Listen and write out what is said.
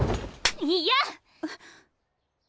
嫌！